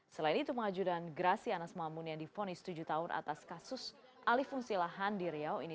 selain itu pengajutan grasi anas mamun yang diponis tujuh tahun atas kasus alifungsi lahan di riau ini